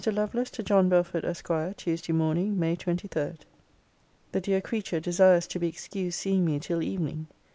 LOVELACE, TO JOHN BELFORD, ESQ. TUESDAY MORNING, MAY 23. The dear creature desires to be excused seeing me till evening.